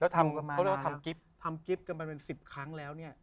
ทำกริปกันมาเป็นสิบครั้งแล้วเนี่ย